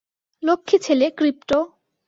লক্ষ্মী ছেলে, ক্রিপ্টো।